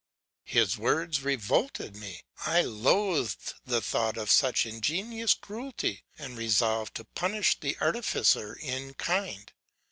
'His words revolted me. I loathed the thought of such ingenious cruelty, and resolved to punish the artificer in kind.